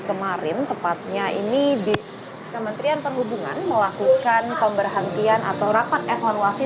kemarin tepatnya ini di kementerian perhubungan melakukan pemberhentian atau rapat evaluasi